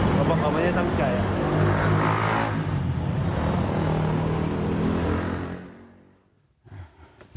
เขาบอกว่าเขาไม่ได้ตั้งใจ